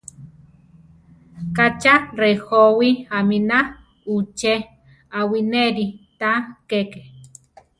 Ka cha rejówi aminá uché; aʼwineri ta keke.